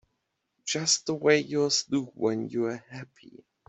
Just the way yours do when you're happy.